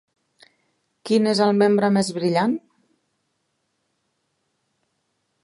Quin és el membre més brillant?